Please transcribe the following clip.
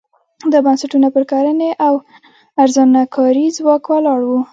دا بنسټونه پر کرنې او ارزانه کاري ځواک ولاړ وو.